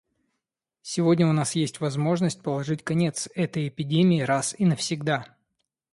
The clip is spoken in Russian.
Сегодня у нас есть возможность положить конец этой эпидемии раз и навсегда.